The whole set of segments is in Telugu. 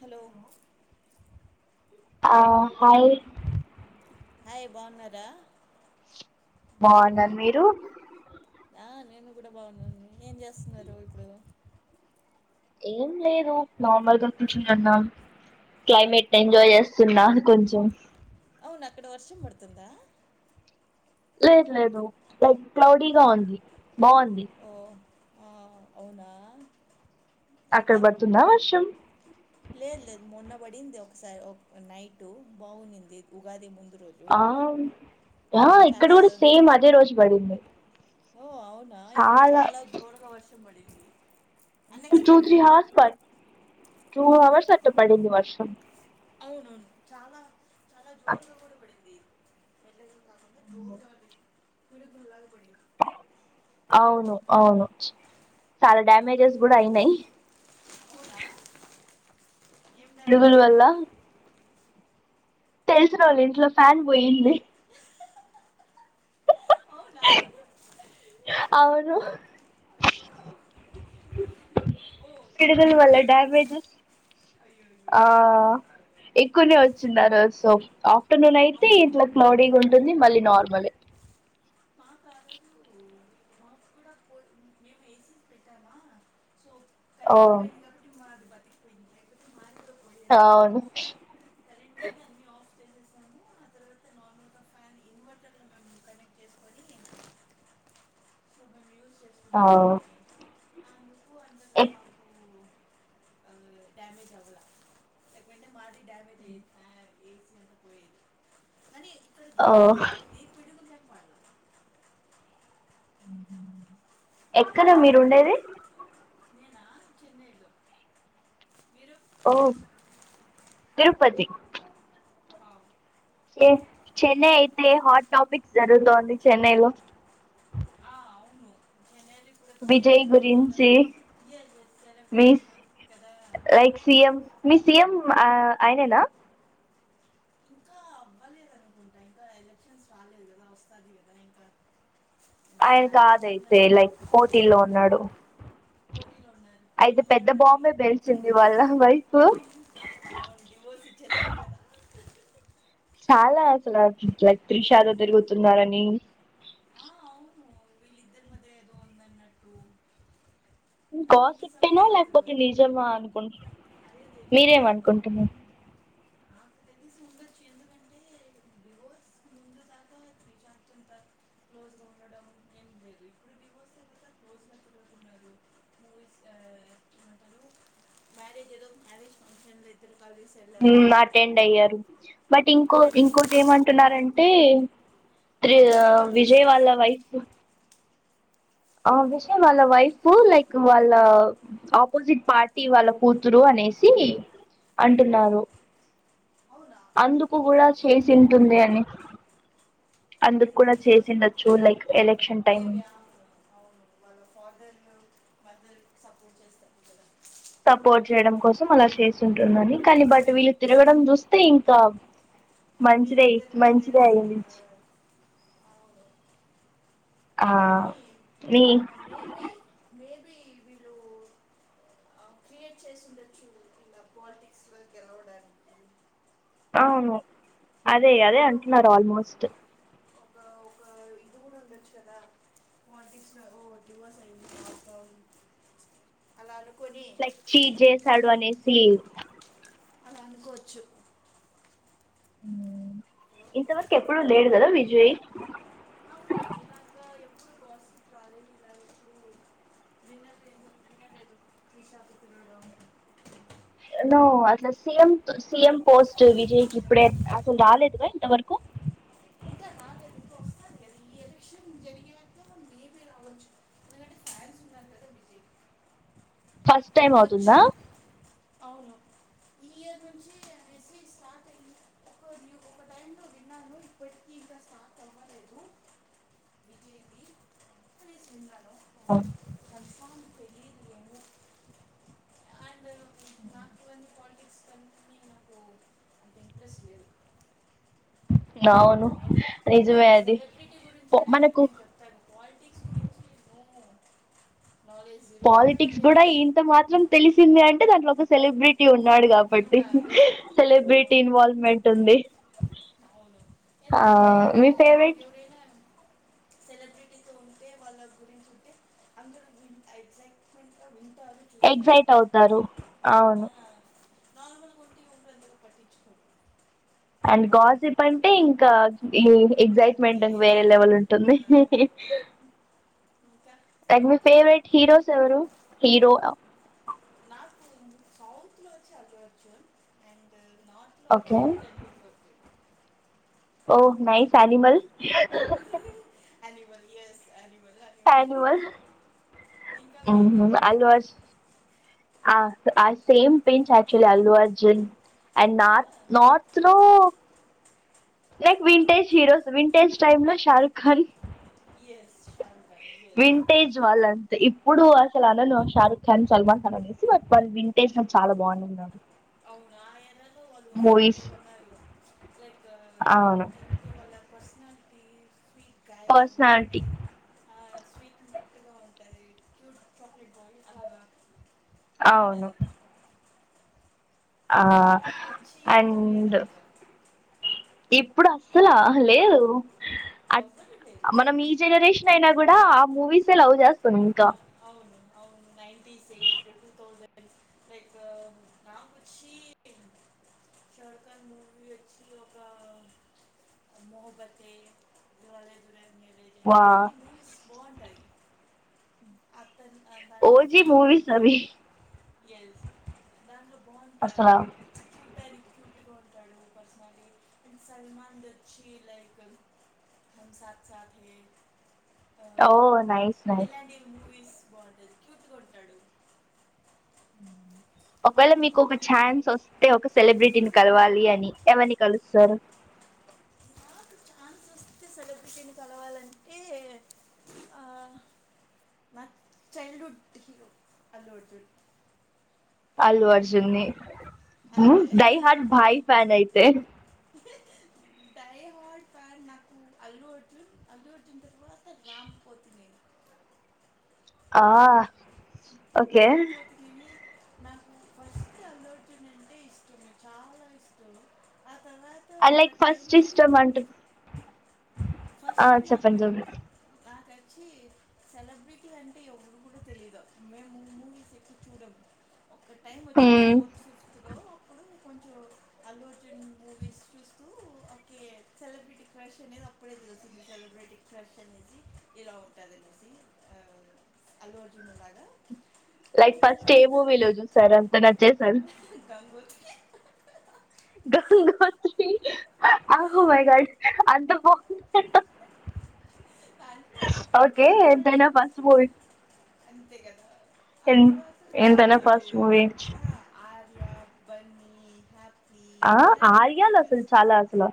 హలో ఆ హాయ్ హాయ్ బావున్నారా బాన్నాను మీరు ఆ నేను కూడా బాగున్నాను ఏం చేస్తున్నారు ఇప్పుడు ఏం లేదు నార్మల్గా కూర్చొని ఉన్నాం క్లైమేట్ ఓ ఎంజాయ్ చేస్తున్నా కొంచెం. అవును అక్కడ వర్షం పడుతుందా లేదు లేదు లైక్ క్లౌడీగా ఉంది బాగుంది ఓ ఆ అవునా అక్కడ ఇంకా బడుతుందా వర్షం లేదు లేదు మొన్న పడింది ఒకసారి ఒక నైట్ బాగునింది ఉగాది మున్ ఆ ఆ ఇక్కడ చాలా కూడా సేమ్ అదే రోజు పడింది ఓ అవునా ఇక్కడ చాలా జోరుగా వర్షం పడి టూ త్రీ హవర్స్ పడి టూ అవును హవర్స్ అట్ట పడింది వర్షం అవునవును చాలా చాలా జోరుగా కూడా పడింది పిడూగుల్లాగా పడింది అవును అవును చాలా డ్యామేజెస్ కూడా అయినయి అవునా ఏం డ్యామేజ్ పిడుగులు వల్ల అయింది తెలుసు రోళ్ళు ఇంట్లో ఫ్యాన్ బోయింది అవునా అవును అయ్యో ఓ పిడుగులు పిడుగు వల్ల వల్లనా డామేజ్ అయ్యో అయ్యో ఆ ఎక్కువనే వచున్నారు సో ఆ టునునైంతే అవును ఇట్ల క్లౌడి గా ఉంటుంది మళ్ళీ నార్మలే కాదు మా కూడా పో మేము ఏసీ పెట్టామా సో ఓ కరెంట్ పోయింది కాబట్టి [unintelligible] లేకపోతే మాది కూడా పోయేది అవును కరెంట్ పోయింది అన్నీ ఆఫ్ చేసెసాను ఆ తర్వాత నార్మల్గా ఫ్యాన్ ఇన్వర్టర్ లో కనెక్ట్ సొబ్బ న్యూస్ ఔ ఎ అవునులే డ్యామేజ్ అవలా లేకపొయింటే మాది డ్యామేజ్ అయ్యేది ఫ్యాన్ ఏ సి అన్న పొయేది కాని ఆ జంగ్‌ బడ్ల ఇంకా ఎక్కనా మీరుండేది నేనా చెన్నైలో మీరు ఆ తిరుపతి వావ్. చెన్నై అయితే హాట్ టాపిక్ జరుగుతోంది చెన్నైలో ఆ, అవును చెన్నైలో ఇప్పుడు వచ్చి విజయ్ నార్మల్గా గురించి ఇయర్ సెలబ్రిటీ మీస్ కదా ఆ, ఎక్స్ సీ ఎం మీ సీ ఎం ఆ అయనేనా ఇంకా అవ్వలేదనుకుంటా ఇంకా ఎలక్షన్స్ రాలేదు గదా వస్తాది గదా ఇంకా ఆయన స్టాలిన్ కూడా కాదయితే ఉన్నారు లైక్ పోటీల్లో ఉన్నాడు పోటీలో ఉన్నారు అయితే పెద్ద క్లియర్ అన్ని బాంబే బేల్చింది వాళ్ళ వైఫు ఓసిచేసింద్ గద చాలా అసలు లైక్ త్రిషాదో దిరుగుతున్నారని వీళ్ళిద్దరు మధ్య ఏదో ఉందన్నట్టు ఇం ఇన్ని కాస్సిప్పేనా సంవత్సరాల లేకపోతే తర్వాత నిజంగా అనుకుం అదే తెలియదా ఒక మీరేమనుకుంటున్నా అ నాకు తెలిసి ఉండొచ్చు ఎందుకంటే డివోర్స్ ముందు దాకా త్రిషాతొంత క్లోజ్గా ఉండడం ఏం లేదు ఇప్పుడు డివోర్స్ తర్వాత క్లోజ్గా తిరుగుతున్నారు మూవీస్ ఏమంటారు అ మ్యారేజ్ ఏదో మ్యారేజ్ ఫంక్షన్లో ఇద్దరు కలిసి వెళ్ళారు మ్మ్ అటెండ్ అయ్యారు బట్ ఇంకో అటెండ్ అయ్యింది ఇంకోటి ఏమంటున్నారంటే త్రి మేబీ పాలిటిక్స్ విజయ్ వాళ్ళ కోసం వైఫ్ ఆ విషయం వాళ్ళ వైఫ్ లైక్ వాళ్ళ ఆపోజిట్ పార్టీ వాళ్ళ కూతురు అని నేసి అంటున్నారు ఓ అవునా అందుకు అది గుడా తెలియదు చేసింటుంది అని అది అందుకు కుదా తెలియదే చేసిండొచ్చు లైక్ ఎలక్షన్ టైమ్ మేబీ అవును అవును వాళ్ళ ఫాదర్ మదర్ సపోర్ట్ చేస్తారు గదా సపోర్ట్ చేయడం కోసం అలా చేసుంటుందని కానీ బట్ వీళ్ళు తిరగడం చూస్తే ఇంకా మంచిదయి వీళ్ళిద్దరు తెలిసి ఆ, మంచిదయిచ్ అవును ఆ కానీ మీ మేబీ ఆ క్రియేట్ చేసుండొచ్చు ఇలా పాలిటిక్స్ లో గెలవడానికి అవును అదే అది అదే కూడా ఒక అంటున్నారు ఆల్మోస్ట్ ఒక ఒక ఇది గుడ ఉండొచ్చు కదా పాలిటిక్స్లో రో డ్యుఅసై [inaudible] అలాలు లైక్ చీజేసాడు అనేసి అలా అనుకోవచ్చు హలో ఇంతవరకు ఎప్పుడు లేడు కదా విజయ్ అవును ఇలాగ ఎప్పుడు గాసిప్ రాలేదు ఇలాగ ఎప్పుడు అ వినలేదు వినలేదు త్రిషా [unintelligible] నోడు ను అసలు C M to C M post విజయ్కి ఇప్పుడే అసలు రాలేదుగా ఇంతవరకు అదే అదే ఈ ఎలక్ష్యం జరిగినట్టే ఉంది ఉన్నారు కదా విజయ్ అ ఫస్ట్ టైం ఇవ్వచ్చు అవుతుందా అవును ఈ ఇయర్ నుంచి నే వసిట్ ఒక టై లో విన్నాను ఇప్పటికీ ఇంకా స్టార్ట్ అ అవ్వలేదు విజయ్ది అనేసి విన్నాను ఆ కన్ఫామ్ తెలియదు ఏమో అండ్ నాకు ఇవన్న పాలిటిక్స్ కనునీ నాకు అంత ఇంట్రెస్ట్ లేదు అవును నేను నిజమే అది సెలబ్రిటీ గురించి అడగలి మనకు నేను చెప్తాను పాలిటిక్స్ గురించి నాలెడ్జ్ జీరో అంతగా పాలిటిక్స్ లేదు కూడా ఇంత మాత్రం తెలిసింది అంటే దాంట్లో ఒక సెలబ్రిటీ ఉంటంది ఉన్నాడు కాబట్టి ఉన్నారు సెలబ్రిటీ అవును ఇన్వాల్వ్మెంట్ ఉంది అవును ఆ ఎందుకంటే మీ ఇప్పుడు ఫేవరెట్ ఎవరైనా అ గురింటే అందరు ఎక్సైట్మెంట్ వింటారు చూస్తారు ఎగ్జైట్ అవుతారు అవును నార్మల్ కొంట ఉంంతర పట్టిించకో అండ్ కాసేప్ అంటే ఇంకా ఈ ఎగ్జైట్మెంట్ అంతే వేరే లెవెల్ ఉంటుంది ఆ, అవును ఇంకా ట్ మీ ఫేవరెట్ హీరోస్ ఎవరు హీరో నార్ సౌత్ లో వచ్చి అల్ అర్జున్ అండ్ నార్త్ లో ఓకే వచ్చి రణబీర్ కపూర్ ఓహ నయి సానిమల్ ఎనిమల్ యస్ అని పనిల్ ఇంకా మీకు అల్ ఆ సేమ్ పిన్స్ క్చులీ అల్లు అ జీన్ అండ్ నార్ నార్త్ లో like vintage heroes vintage time లో Shah Rukh Khan is Shahrukh Khan is vintage వాళన్ ఇప్పుడు అసలు అనను షారుఖ ఖాన్ సల్మాన్ ఖాన్ అనేసి బట్ వాళ్ళు వింటేస చాలా బాగున్నారు అ అవును ఆ ఎర్రలో వాళ్ళు సూపర్ గా ఉన్నారు లైక్ అవును ఏమంటారంటే వాళ్ళ పర్ ప గగాయలా గుంది పర్సనాలిటీ అ స్వీట్ ముట్గా ఉంటాది క్యూడ్ చాక్లెట్ బాయ్ అలాగా అవును బాగుంటుంది ఆ ఇప్పుడు వచ్చి ఎవరు లేరు అడ్ అలాగా ఎప్పుడు అసలా లేదు అ ఎవరు లేరు మనం ఈ జనరేషన్ అయినా కూడా ఆ మూవీస్ే లవ్ చేస్తుంది ఇంకా ను nineties at two thousand like నా వచ్చి షార్ఖాన్ మూవీ వచ్చి ఒక మోహబత్తే దూరాల దూర న వా ఇలాంటి మూవీస్ బాగుంటాయి అతను ఆ దాంట్లో ఓజీ దా మూవీ సభ ఎస్ అస్సలా పెట్టుకుంటాడు పర్సనలీ ఇం సల్మడ్ వచ్చి లైక్ హ సా సా ఓ న న కీస్ బాగుంటుంది క్యూతు కొంటాడు ఒకవేళ మీకు ఒక ఛాన్స్ వస్తే ఒక సెలబ్రిటీని కలవాలి అని ఎవరిని కలుస్తారు నాకు ఛాన్స్ వస్తే సెలబ్రిటీని కలవాలంట ఏ ఆ నా childhood hero Allu Arjun Allu అర్జున్నే ఉ అంతే డై హార్ట్ భాయి ఫ్యాన్ అయితే డై హార్డ్ ఫ్యాన్ నాకు అల్లు అర్జున్ అల్లు అర్జున్ పోతే రామ్ పోతినేని ఆ ఓకే రామ్ పోతినేని నాకు ఫస్ట్ అల్లు అర్జున్ అంటే ఇష్టం. చాలా ఇష్టం తరువా ఐ లైక్ ఫస్ట్ ఇస్టమ్ అంటున్ ఫస్ట్ నాకు నాకై సెలబ్రిటీ అంటే ఎవ్వరు కూడా తెలీదు మేము మూవీస్ ఎక్కువ చూడమ్ ఒక్క టైం వచ్చింది ఫోర్త్ ఫిఫ్త్లో అప్పుడు అ కొంచెం అల్లు అర్జున్ మూవీస్ చూస్తూ ఒకే సెలబ్రిటీ క్రష్ అనేది ఒక అ సెలబ్రేట్ క్రష్ అనేసి ఎలా ఉంటది అనేసి అల్లుఅర్జున్ లాగా లైక్ ఆ ఫస్ట్ ఏ తర్వాత మూవీలో చూశారు అంత నచ్చేసారు గంగోత్రి గంగోతి ఆహో మైగాడ్ అంత బాగుం ఆయన ఓకే ఎంతయినా ఫస్ట్ మూవీ అంతే కదా ఆ తర్వాత వచ్చి ఎంతైనా ఫస్ట్ మూవీ ఆ ఆర్య బన్నీ ఆ ఆర్యాలు అసలు చాలా అసలు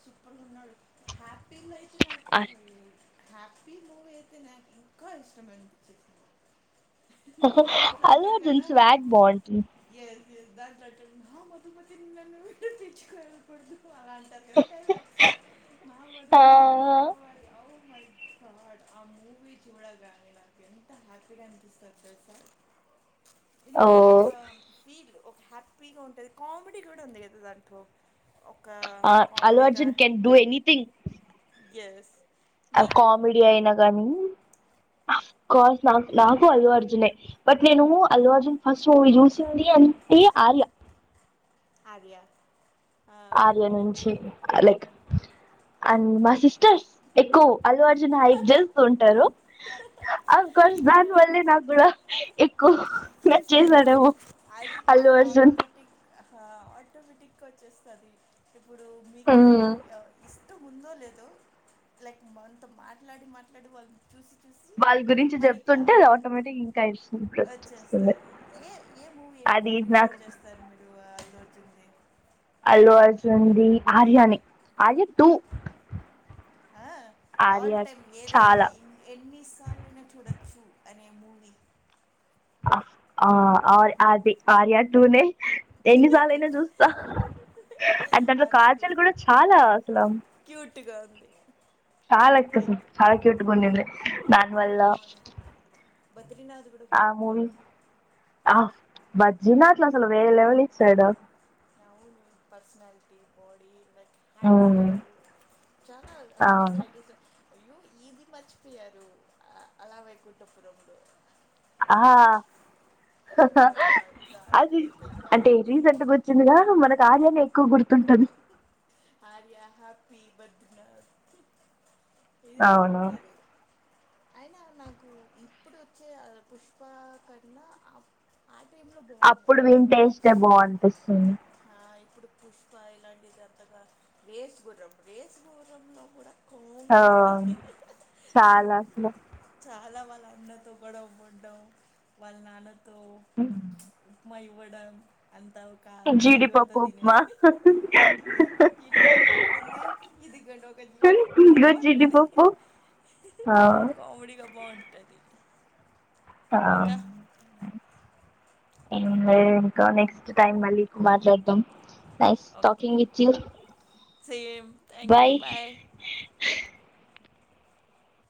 సూపర్గఉన్నాడు హ్యాపీలో అయితే నాకు హ్యాపీ మూవీ అయితే నాకు ఇంఖా ఇష్టమండి చె అల్లుఅర్జున్ స్వాగ్ బాగుంటుంది ఎస్ నా మధుమతి నన్ను ఇచ్చు కాల్ పడదు అలా అంటారు కదా డైలాగ్స్ నా ఓ మధుమతి నాకు కావాలి అవును హార్డ్ ఆ మూవి చూడాలిరా నేన్ నాకు ఎంత హ్యాపీగా అనిపిస్తాది తెలుసా ఓ ఎంతో ఒక ఫీల్ ఒక హ్యాపీగా ఉంటది కామెడీ కూడా ఉంది కదా దాంట్లో ఒక ఆ కామెడీగా Allu Arjun can do anything yes ఆ మీకు కామెడీ అయినా కానీ ఆఫ్కోర్స్ నా నాకు అల్లు అర్జునే బట్ నేను అల్లు అర్జున్ ఫస్ట్ మూవీ చూసింది అని ఈ ఆర్య ఆర్య ఆ, ఆర్య నుంచి లైక్ అండ్ మా సిస్టర్స్ ఎక్కూ అల్లు అర్జున్ హైక్ చేస్తూ ఉంటరు. అఫ్ కోర్స్ దానివల్లే నాకు కూడా ఎక్కు అంతే అది అది అర్జున్ ఆటోమేటిక్గా ఆటోమేటిక్గా వచ్చేస్తది ఇప్పుడు మీకు ఎవర్ ఇస్ ఎట్ ఉందో లేదో లైక్ మనతో మాట్లాడి మాట్లాడి వాళ్ళు వాళ్ళ గురించి చెప్తుంటే అది ఆటోమేటిక్ ఇంకా ఇంటరెస్ తది ఏ ఏ మూవీ ఎక్కువ ప్రిఫర్ నాకు చేస్తారు మీరు అల్లుఅర్జున్ ది అల్లుఅర్జున్ ది ఆర్యనే ఆర్య టూ ఆ ఆర్య ఆల్ టైమ్ ఏదైనా చాలా ఎన్ ఎన్ని సార్లైనా చూడొచ్చు అనే మూవి ఆ అర్ అది ఆర్య టూనే ఎన్నిసాలైనా చూస్తా అండ్ దాంట్లో ఆర్య కాజల్ కూడా చాలా అసలు టీగా ఉంది చాల కసుమ్ చాల క్యూట్ గ ఉండింది దానివల్ల అవును బద్రీనాథ్ కూడా ఆ మూవీ బాగుంటది ఆ బజ్జీనాట్లు అసలు వేరేలెవల్ ఇచ్చాడు అవును పర్సనాలిటీ బాడీ లైక్ హ అవును స్టలు చాలా అందుకే స్టడీగా అయ్యో ఈది మర్చిపోయారు అ అలా వైకుంఠపురములో ఆహా ఓ హ్హ్ అ మై గాడ్ దాంట్లో అది అయితే ఇంకా అంటే రీసెంట్ వచ్చిందిగా మనక్ కార్యాన్ని ఎక్కువ గుర్తుంటది ఆర్య, హ్యాపీ, బద్రీనాథ్ ఇది అవును బాగుంటది అయినా నాకు ఇప్పుడు వచ్చే ఆ పుష్ప కన్నా అప్ ఆప్ అప్పుడు విన్ టేస్టే బాగనిపిస్తుంది ఆ ఇప్పుడు పుష్ప ఇలాంటి జతగా రేసుగుర్రం రేసుగుర్రంలో కూడా అ కామెడీ చాల అసలు చాలా వాళ్ళ అన్నతో గొడవ పడ్డం వాళ్ళ నాన్న [unintelligible] ఇవ్వడం అంతా ఒక్ జీడిపప్పు ఉక్మ. హ్హ్. హ్హ్.. హ్హ్. జీడిపప్పు హ్హ్ ఎక్కడుంది ఇదిగోండి ఒక కని ఇంకా జీడిపప్పు మ్మహ్హ్ ఆ కామెడీగా బాగుంటది ఆ... ఏందీ ఆ నెక్స్ట్ టైమ్ మల్లీ కు మాట్లాడుదాం నెక్స్ట్ ఓకే టాకింగ్ విచ్చి సేమ్ థ్యాంక్ యూ బాయ్